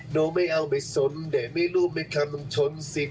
ดูไม่เอาไปสนแต่มันไม่รู้ไม่คำชวนสิทธิ์